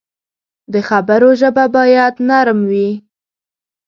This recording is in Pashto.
د خبرو ژبه باید نرم وي